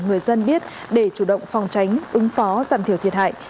người dân biết để chủ động phòng tránh ứng phó giảm thiểu thiệt hại